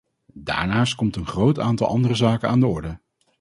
Daarnaast komt een groot aantal andere zaken aan de orde.